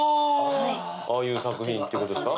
ああいう作品ってことですか？